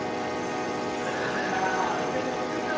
それじゃあロケットつくっちゃお！